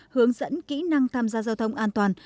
hướng dẫn kỹ năng tham gia giao thông an toàn